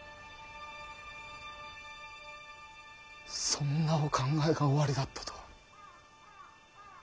そんなお考えがおありだったとは。